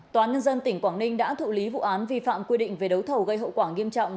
tòa nhân dân tỉnh quảng ninh đã thụ lý vụ án vi phạm quy định về đấu thầu gây hậu quả nghiêm trọng